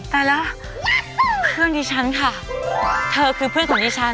ตายแล้วเพื่อนที่ฉันค่ะเธอคือเพื่อนของที่ฉัน